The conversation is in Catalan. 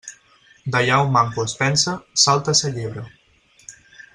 D'allà on manco es pensa, salta sa llebre.